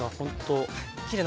きれいに。